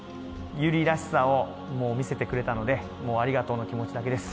友梨らしさを見せてくれたのでありがとうの気持ちだけです。